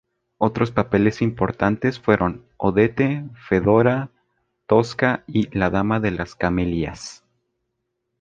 Otros papeles importantes fueron "Odette", "Fedora", "Tosca" y "La dama de las camelias".